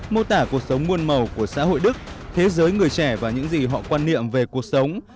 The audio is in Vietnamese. mô tả cuộc sống muôn màu của xã hội đức thế giới người trẻ và những gì họ quan niệm về cuộc sống